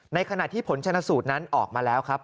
ในขณะที่ผลชนะสูตรนั้นออกมาแล้วครับ